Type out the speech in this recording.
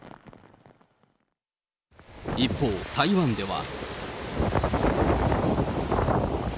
一方、台湾では。